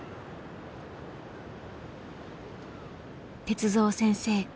鉄三先生